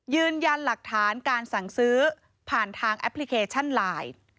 ยืนยันหลักฐานการสั่งซื้อผ่านทางแอปพลิเคชันไลน์